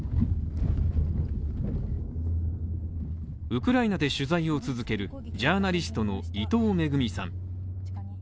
ウクライナで取材を続けるジャーナリストの伊藤めぐみさん。